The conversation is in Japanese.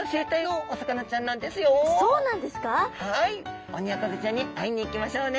はいオニオコゼちゃんに会いに行きましょうね！